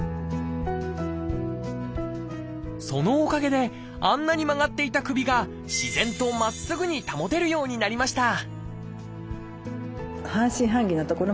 そのおかげであんなに曲がっていた首が自然とまっすぐに保てるようになりました